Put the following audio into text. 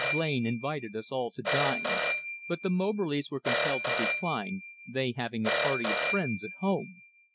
Blain invited us all to dine, but the Moberlys were compelled to decline, they having a party of friends at home.